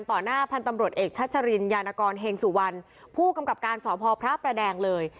หน้าพันธุ์ตำรวจเอกชัชรินยานกรเฮงสุวรรณผู้กำกับการสพพระประแดงเลย